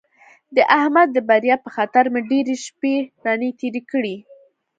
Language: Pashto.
د احمد د بریا په خطر مې ډېرې شپې رڼې تېرې کړې.